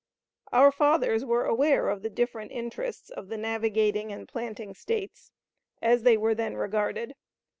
Our fathers were aware of the different interests of the navigating and planting States, as they were then regarded.